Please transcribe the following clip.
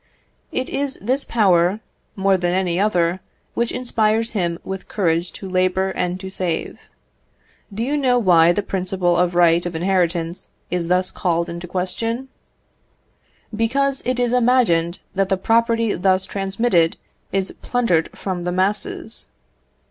It is this power, more than any other, which inspires him with courage to labour and to save. Do you know why the principle of right of inheritance is thus called in question? Because it is imagined that the property thus transmitted is plundered from the masses.